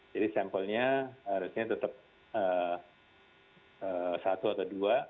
jadi sampelnya harusnya tetap satu atau dua